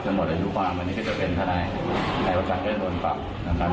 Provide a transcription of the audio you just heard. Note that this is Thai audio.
ทั้งหมดอายุความวันนี้ก็จะเป็นท่านายใครว่าจะได้โดนปรับนะครับ